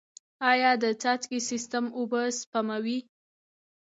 آیا د څاڅکي سیستم اوبه سپموي؟